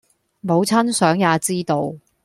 母親想也知道；